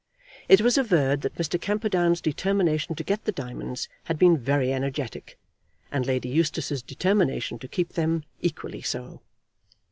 It was averred that Mr. Camperdown's determination to get the diamonds had been very energetic, and Lady Eustace's determination to keep them equally so.